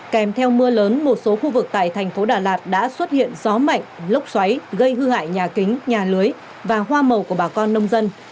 kèm theo mưa lớn một số khu vực tại thành phố đà lạt đã xuất hiện gió mạnh lốc xoáy gây hư hại nhà kính nhà lưới và hoa màu của bà con nông dân